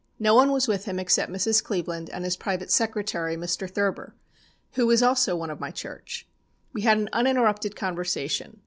No one was with him except Mrs. Cleveland and his private secretary, Mr. Thurber, who is also one of my church. We had an uninterrupted conversation.